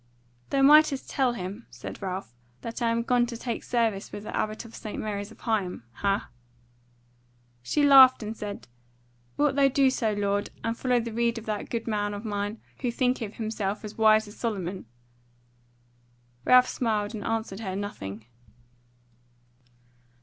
"Thou mightest tell him," said Ralph, "that I am gone to take service with the Abbot of St. Mary's of Higham: hah?" She laughed and said: "Wilt thou do so, lord, and follow the rede of that goodman of mine, who thinketh himself as wise as Solomon?" Ralph smiled and answered her nothing.